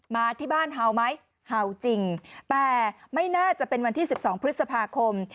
มาที่บ้านเห่าไหมเห่าจริงแต่ไม่น่าจะเป็นวันที่๑๒พฤษภาคม